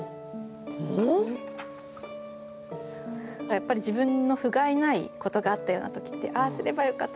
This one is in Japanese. やっぱり自分のふがいないことがあったような時って「ああすればよかった」